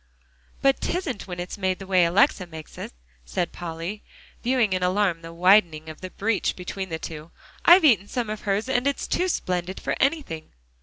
"But 'tisn't when it's made the way Alexia makes it," said Polly, viewing in alarm the widening of the breach between the two. "I've eaten some of hers, and it's too splendid for anything."